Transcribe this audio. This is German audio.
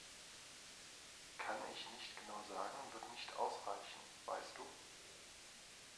„Kann ich nicht genau sagen“ wird nicht ausreichen, weißt du.